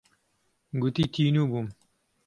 گوتی تینوو بووم.